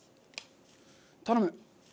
頼む！